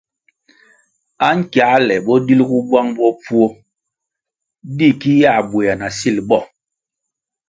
Ankiāle bo dilgu bwang bopfuo di ki yā bwéa na sil bo.